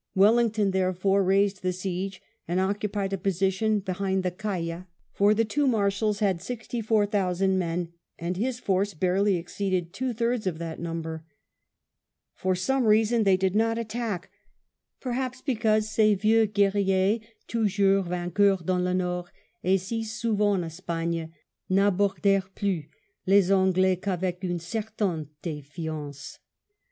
Wellington, therefore, raised the siege, and occupied a position behind the Caya, for the two Marshals had sixty four thousand men, and his force barely exceeded two thirds of that number. For some reason they did not attack, perhaps because " ces vieux guerriers, toujours vainquers dans le Nord et si souvent en Espagne, n'abord^rent plus les Anglais qu'avec une certaine defiance."